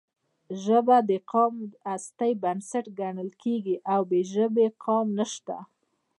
ژبه د قام د هستۍ بنسټ ګڼل کېږي او بې ژبې قام نشته.